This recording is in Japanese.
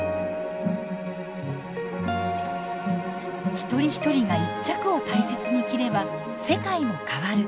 一人一人が一着を大切に着れば世界も変わる。